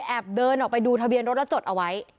แอบเดินออกไปดูทะเบียนรถแล้วจดเอาไว้